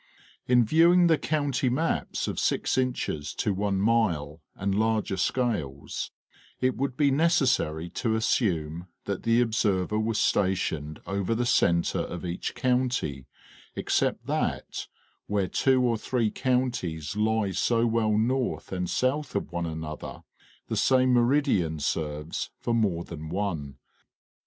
In viewing the county maps of six inches to one mile and larger scales, it would be necessary to assume that the observer was stationed over the center of each county except that, where two or three counties lie so well north and south of one another, the same meridian serves for more than one.